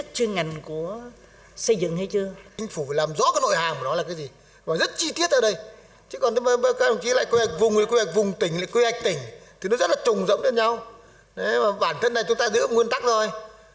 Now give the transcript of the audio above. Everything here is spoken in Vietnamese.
thì nó rất là trùng rỗng với nhau bản thân này chúng ta giữ nguồn tắc rồi